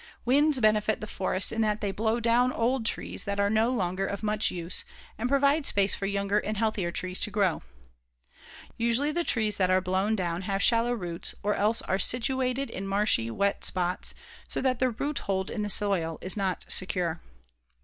Winds benefit the forests in that they blow down old trees that are no longer of much use and provide space for younger and healthier trees to grow. Usually the trees that are blown down have shallow roots or else are situated in marshy, wet spots so that their root hold in the soil is not secure.